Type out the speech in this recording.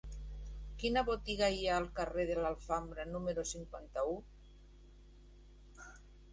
Quina botiga hi ha al carrer de l'Alfambra número cinquanta-u?